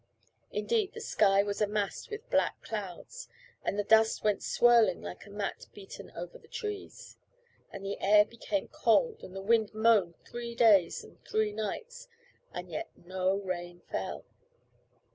Indeed, the sky was amassed with black clouds, and the dust went swirling like a mat beaten over the trees, and the air became cold, and the wind moaned three days and three nights, and yet no rain fell.